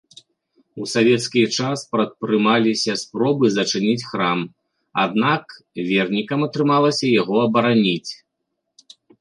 У савецкі час прадпрымаліся спробы зачыніць храм, аднак вернікам атрымалася яго абараніць.